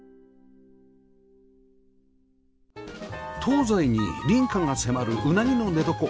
東西に隣家が迫るうなぎの寝床